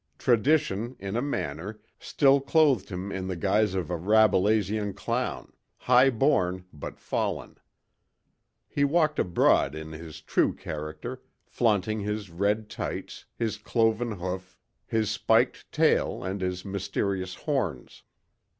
Tradition, in a manner, still clothed him in the guise of a Rabelaisian clown, high born but fallen. He walked abroad in his true character, flaunting his red tights, his cloven hoof, his spiked tail and his mysterious horns.